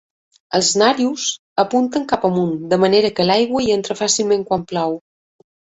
Els narius apunten cap amunt, de manera que l'aigua hi entra fàcilment quan plou.